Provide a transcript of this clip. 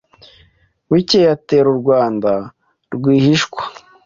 bukeye atera u Burundi rwihishwa